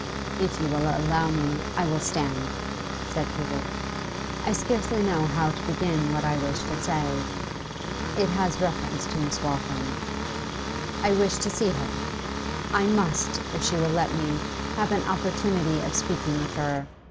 'If you will allow me, I will stand,' said Hubert. 'I scarcely know how to begin what I wish to say. It has reference to Miss Waltham. I wish to see her; I must, if she will let me, have an opportunity of speaking with her.